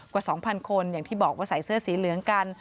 กว่า๒๐๐คนอย่างที่บอกว่าใส่เสื้อสีเหลืองกัน